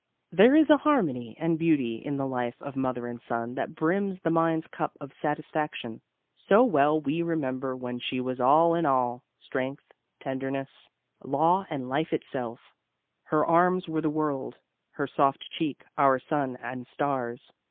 There is a harmony and beauty in the life of mother and son that brims the mind's cup of satisfaction. So well we remember when she was all in all; strength, tenderness, law and life itself. Her arms were the world: her soft cheek our sun and stars.